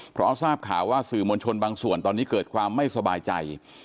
เพราะทราบข่าวว่าสื่อมวลชนบางส่วนตอนนี้เกิดความไม่สบายใจ